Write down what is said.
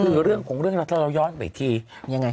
คือเรื่องของเรื่องที่เราย้อนไปอีกที